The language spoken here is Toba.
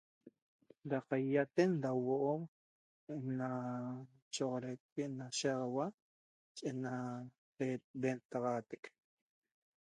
Da caiaten da huoo na caichoxoren ena shiaxauapi ena dentaxateq